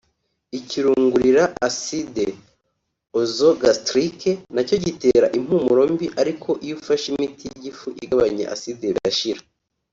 Ikirungurira (acidite oeso -gastrique) na cyo gitera impumuro mbi ariko iyo ufashe imiti y’igifu igabanya acide birashira